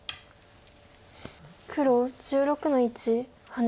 黒１６の一ハネ。